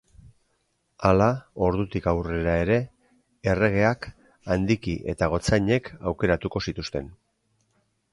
Hala, ordutik aurrera ere, erregeak handiki eta gotzainek aukeratuko zituzten.